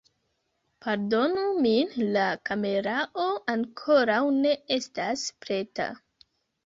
Pardonu min la kamerao ankoraŭ ne estas preta